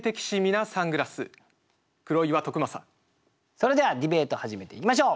それではディベート始めていきましょう。